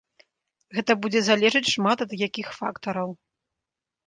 Гэта будзе залежаць шмат ад якіх фактараў.